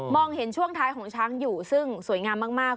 เห็นช่วงท้ายของช้างอยู่ซึ่งสวยงามมาก